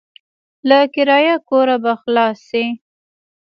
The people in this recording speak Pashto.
له کرايه کوره به خلاص شې.